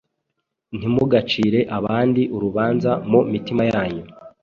Ntimugacire abandi urubanza mu mitima yanyu